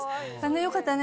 よかったね。